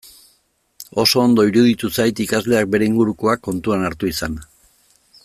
Oso ondo iruditu zait ikasleak bere ingurukoak kontuan hartu izana.